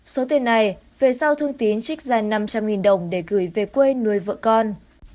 số tiền này về sau thương tín trích ra năm trăm linh đồng để gửi về quê nuôi vợ con